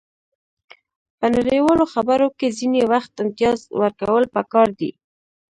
په نړیوالو خبرو کې ځینې وخت امتیاز ورکول پکار دي